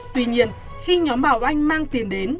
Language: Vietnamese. tuy nhiên khi nhóm bảo anh mang tiền đến